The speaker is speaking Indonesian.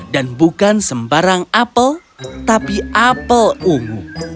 dan bukan sembarang apel tapi apel ungu